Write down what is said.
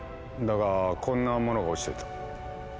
だがこんなものが落ちていた。